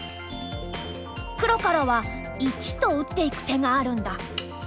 黒からは①と打っていく手があるんだ。